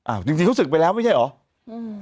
อ้าวอ่ะจริงเขาสึกไปแล้วไม่ใช่หรอ